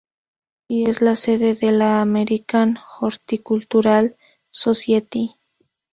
Y es la sede de la American Horticultural Society.